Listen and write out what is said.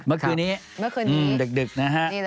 เมื่อคืนนี้ดึกนะฮะ